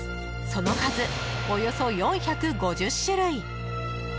その数、およそ４５０種類。